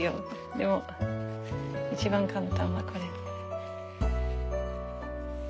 でも一番簡単はこれ。